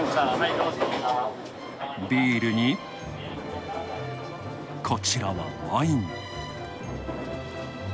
ビールに、こちらはワイン。